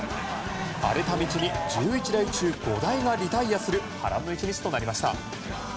荒れた道に１１台中５台がリタイアする波乱の１日となりました。